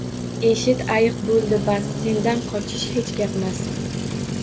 Eshit ayiq, bo’ldi bas, sendan qochish hech gapmas